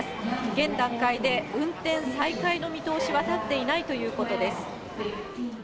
現段階で運転再開の見通しは立っていないということです。